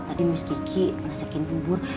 tadi miss kiki ngasakin bubur